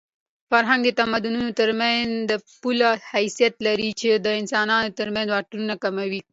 فرهنګ د تمدنونو ترمنځ د پله حیثیت لري چې د انسانانو ترمنځ واټنونه کموي.